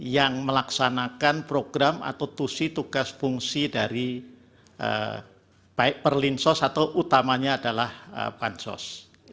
yang melaksanakan program atau tusi tugas fungsi dari baik perlinsos atau utamanya adalah bansos